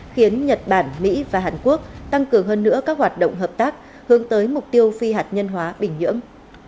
khiến nhật bản mỹ và hàn quốc tăng cường hơn nữa các hoạt động hợp tác hướng tới mục tiêu phi hạt nhân hóa bình nhưỡng